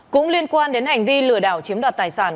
cũng liên quan đến hành vi lừa đảo chiếm đoạt tài sản